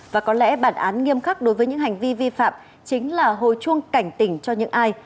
và có lẽ bản án nghiêm khắc đối với những hành vi vi phạm chính là hồi chuông cảnh tỉnh cho những ai